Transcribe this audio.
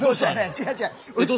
違う違う。